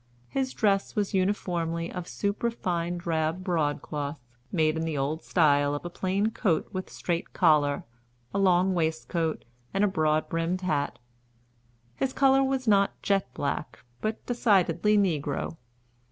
His dress was uniformly of superfine drab broadcloth, made in the old style of a plain coat with strait collar, a long waistcoat, and a broad brimmed hat. His color was not jet black, but decidedly negro.